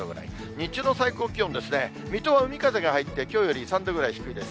日中の最高気温ですね、水戸は海風が入ってきょうより３度ぐらい低いです。